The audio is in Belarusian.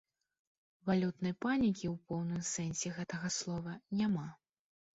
Валютнай панікі ў поўным сэнсе гэтага слова няма.